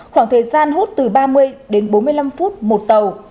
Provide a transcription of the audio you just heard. khoảng thời gian hốt từ ba mươi đến bốn mươi năm phút một tàu